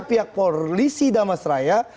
pihak polisi damasraya